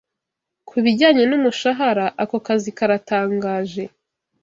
Kubijyanye n'umushahara, ako kazi karatangaje.